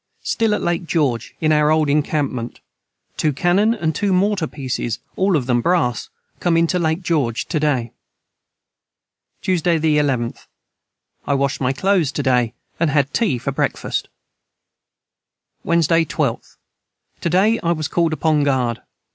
Stil at Lake George in our old encampment 2 Cannon and 2 morter peaces all of them Brass come into Lake George to day. Tuesday 11th. I washed my Clothes to day had Tea for Brecfirst. Wednesday 12th. To day I was cald upon guard.